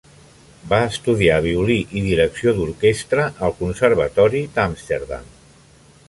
Va estudiar violí i direcció d'orquestra al conservatori d'Amsterdam.